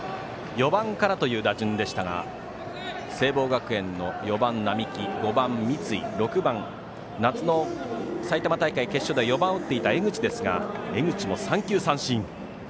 ４番からという打順でしたが聖望学園の４番、双木５番、三井、６番、夏の埼玉大会決勝では４番を打っていた江口ですが江口も三球三振。